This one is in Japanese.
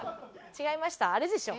違いましたあれでしょ？